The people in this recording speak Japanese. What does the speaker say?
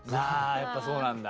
やっぱそうなんだ。